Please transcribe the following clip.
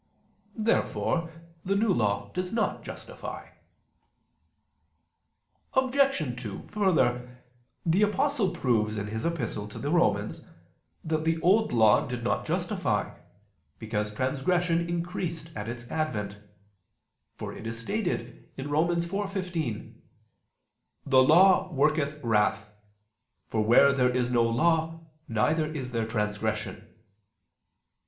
Therefore the New Law does not justify. Obj. 2: Further, the Apostle proves in his epistle to the Romans that the Old Law did not justify, because transgression increased at its advent: for it is stated (Rom. 4:15): "The Law worketh wrath: for where there is no law, neither is there transgression."